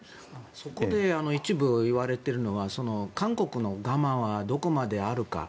そこで一部言われているのは韓国の我慢はどこまであるか。